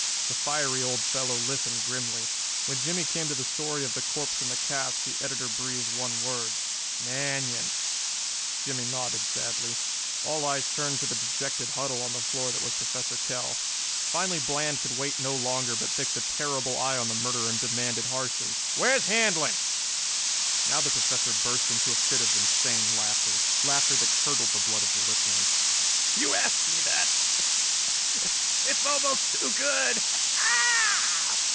The fiery old fellow listened grimly. When Jimmie came to the story of the corpse and the cask the editor breathed one word, "Manion!" Jimmie nodded sadly. All eyes turned to the dejected huddle on the floor that was Professor Kell. Finally Bland could wait no longer, but fixed a terrible eye on the murderer and demanded harshly, "Where's Handlon?" Now the Professor burst into a fit of insane laughter, laughter that curdled the blood of the listeners. "You ask me that! It's almost too good.